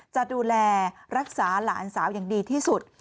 จะดูแลรักษาหลานสาวอย่างดีที่สุด